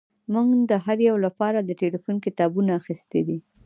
موږ د هر یو لپاره د ټیلیفون کتابونه اخیستي دي